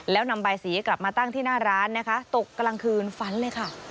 แล้วนำใบสีกลับมาตั้งที่หน้าร้านนะคะตกกลางคืนฝันเลยค่ะ